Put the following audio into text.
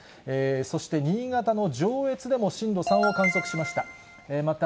そして、新潟の上越でも震度３を観測しました。